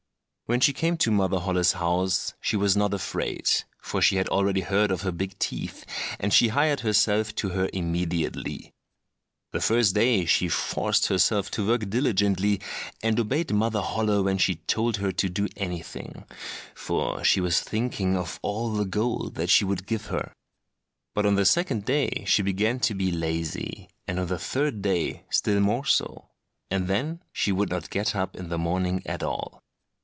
When she came to Mother Holle's house she was not afraid, for she had already heard of her big teeth, and she hired herself to her immediately. The first day she forced herself to work diligently, and obeyed Mother Holle when she told her to do anything, for she was thinking of all the gold that she would give her. But on the second day she began to be lazy, and on the third day still more so, and then she would not get up in the morning at all.